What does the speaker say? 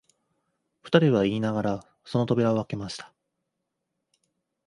二人は言いながら、その扉をあけました